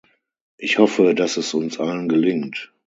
Ich hoffe, dass es uns allen gelingt!